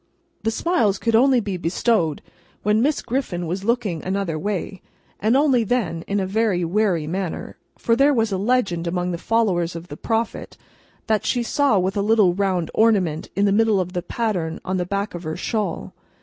The smiles could only be bestowed when Miss Griffin was looking another way, and only then in a very wary manner, for there was a legend among the followers of the Prophet that she saw with a little round ornament in the middle of the pattern on the back of her shawl.